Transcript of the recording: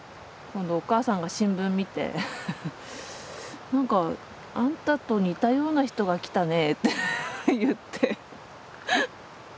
お母さんが新聞見て「なんかあんたと似たような人が来たね」って言って。